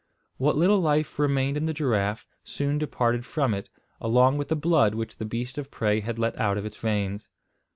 What little life remained in the giraffe soon departed from it, along with the blood which the beast of prey had let out of its veins.